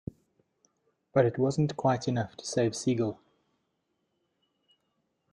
But it wasn't quite enough to save Siegel.